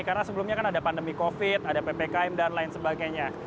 karena sebelumnya kan ada pandemi covid ada ppkm dan lain sebagainya